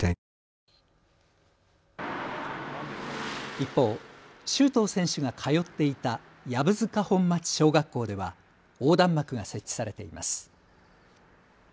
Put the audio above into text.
一方、周東選手が通っていた籔塚本町小学校では横断幕が設置されています。